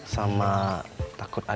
ya cak takut paham